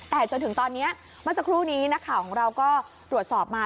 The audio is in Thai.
แต่จนถึงตอนนี้เมื่อสักครู่นี้นักข่าวของเราก็ตรวจสอบมา